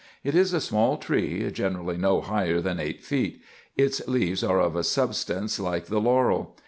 It is a small tree, generally no higher than eight feet : its leaves are of a substance like the laurel.